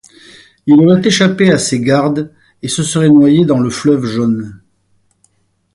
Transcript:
Il aurait échappé à ses gardes et se serait noyé dans le Fleuve Jaune.